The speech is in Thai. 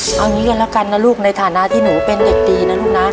เอางี้กันแล้วกันนะลูกในฐานะที่หนูเป็นเด็กดีนะลูกนะ